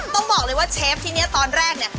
ต้องบอกเลยว่าเชฟที่นี่ตอนแรกเนี่ย